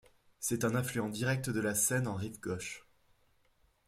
C'est un affluent direct de la Seine en rive gauche.